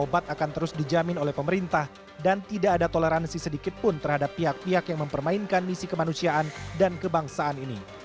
obat akan terus dijamin oleh pemerintah dan tidak ada toleransi sedikitpun terhadap pihak pihak yang mempermainkan misi kemanusiaan dan kebangsaan ini